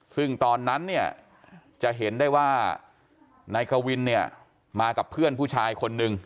ซึ่งตอนนั้นเนี่ยจะเห็นได้ว่านายกวินเนี่ยมากับเพื่อนผู้ชายคนนึง